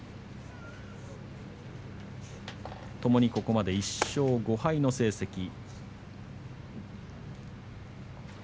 ともにここまで１勝５敗の成績。